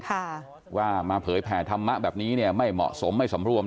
ค่ะว่ามาเผยแผ่ธรรมะแบบนี้เนี่ยไม่เหมาะสมไม่สำรวม